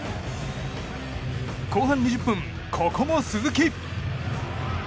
後半２０分、ここも鈴木！